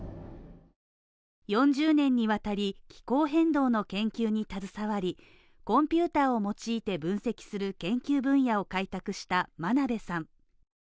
４０年にわたり気候変動の研究に携わり、コンピューターを用いて分析する研究分野を開拓した真鍋さん。